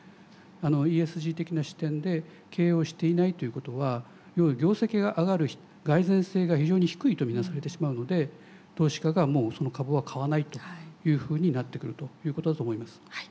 ＥＳＧ的な視点で経営をしていないということは業績が上がる蓋然性が非常に低いと見なされてしまうので投資家がもうその株は買わないというふうになってくるということだと思います。